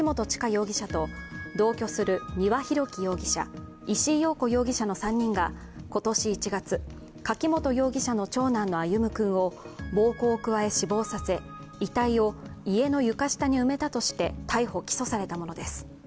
容疑者と同居する丹羽洋樹容疑者、石井陽子容疑者の３人が今年１月、柿本容疑者の長男の歩夢君を暴行を加え死亡させ遺体を家の床下に埋めたとして、逮捕・起訴されたものです。